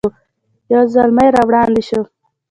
یو زلمی را وړاندې شو.